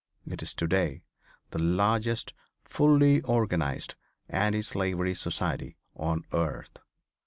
It is to day the largest fully organized anti slavery society on earth.